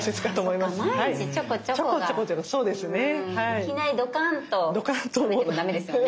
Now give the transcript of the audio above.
いきなりドカーンと食べてもダメですよね。